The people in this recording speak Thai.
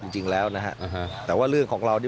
จริงแล้วนะฮะแต่ว่าเรื่องของเรานี่